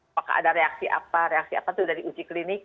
apakah ada reaksi apa reaksi apa itu dari uji klinik